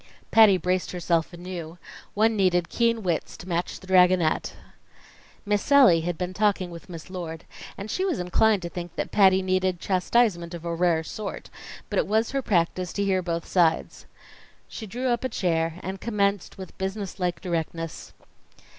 Patty braced herself anew; one needed keen wits to match the "Dragonette." Miss Sallie had been talking with Miss Lord, and she was inclined to think that Patty needed chastisement of a rare sort; but it was her practice to hear both sides. She drew up a chair, and commenced with business like directness.